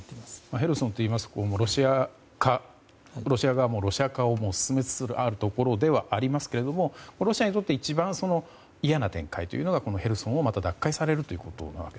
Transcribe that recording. ヘルソンといいますとロシア側もロシア化を進めつつあるところではありますがロシアにとって一番嫌な展開がヘルソンを奪還されること。